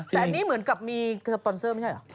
แต่อันนี้เหมือนกับมีสปอนเซอร์ไม่ใช่เหรอ